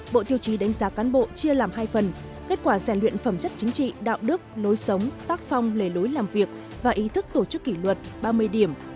bộ tiêu chí đánh giá cán bộ chia làm hai phần kết quả giải luyện phẩm chất chính trị đạo đức lối sống tác phong lề lối làm việc và ý thức tổ chức kỷ luật ba mươi điểm